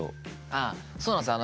ああそうなんですよ。